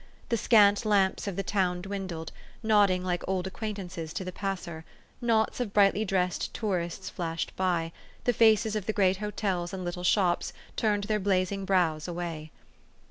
The scant lamps of the town dwindled, nodding like old acquaintances to the passer ; knots of brightly dressed tourists flashed by ; the faces of the great hotels and little shops turned their blazing brows away.